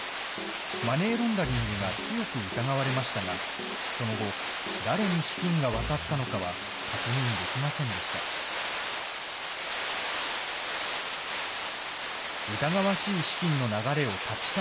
マネーロンダリングが強く疑われましたが、その後、誰に資金が渡ったのかは確認できませんでした。